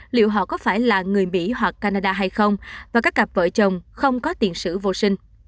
liệu họ có phải là người mỹ hoặc canada hay không và các cặp vợ chồng không có tiền sử vô sinh